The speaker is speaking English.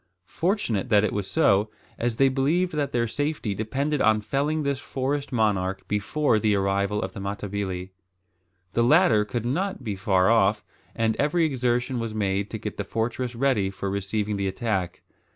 Fortunate that it was so, as they believed that their safety depended on felling this forest monarch before the arrival of the Matabili. The latter could not be far off, and every exertion was made to get the fortress ready for receiving the attack.